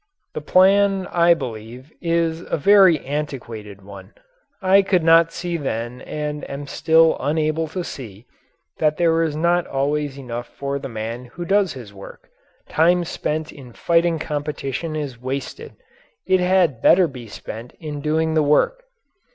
The plan, I believe, is a very antiquated one. I could not see then and am still unable to see that there is not always enough for the man who does his work; time spent in fighting competition is wasted; it had better be spent in doing the work.